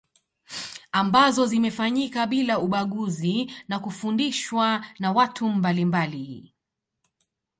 Ambazo zimefanyika bila ubaguzi na kufundishwa na watu mbalimbali